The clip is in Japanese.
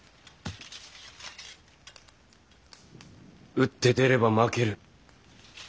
打って出れば負ける。